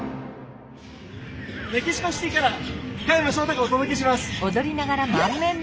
メキシコシティから嘉山正太がお届けします！